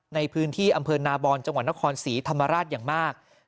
ในพื้นที่อำเภอนาบอนจังหวัดนครศรีธรรมราชอย่างมาก